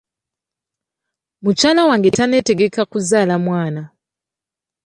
Mukyala wange tanneetegeka kuzaala mwana.